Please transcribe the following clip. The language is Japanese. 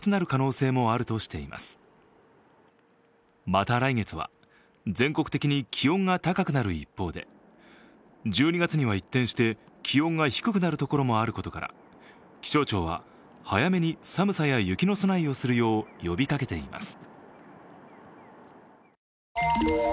また来月は全国的に気温が高くなる一方で１２月には一転して気温が低くなる所もあることから気象庁は早めの寒さや雪の備えをするよう呼びかけています。